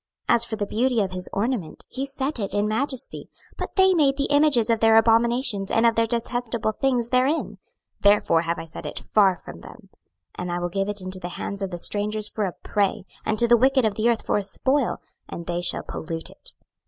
26:007:020 As for the beauty of his ornament, he set it in majesty: but they made the images of their abominations and of their detestable things therein: therefore have I set it far from them. 26:007:021 And I will give it into the hands of the strangers for a prey, and to the wicked of the earth for a spoil; and they shall pollute it.